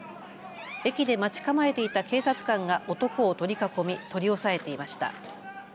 駅で待ち構えていた警察官が男を取り囲み取り押さえていました。